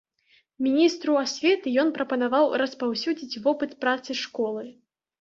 Міністру асветы ён прапанаваў распаўсюдзіць вопыт працы школы.